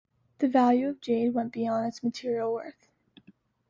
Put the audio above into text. The value of jade went beyond its material worth.